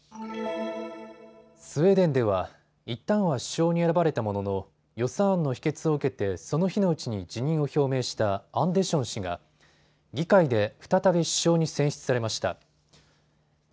スウェーデンではいったんは首相に選ばれたものの予算案の否決を受けてその日のうちに辞任を表明したアンデション氏が議会で再び首相に選出されました。